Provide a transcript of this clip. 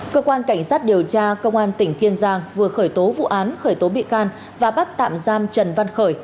cơ quan cảnh sát điều tra công an tp hcm vừa khởi tố vụ án khởi tố bị can và bắt tạm giam trần văn khởi